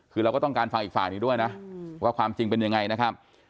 คือเราก็ต้องการฟังอีกฝ่ายนี้ด้วยนะว่าความจริงเป็นยังไงนะครับ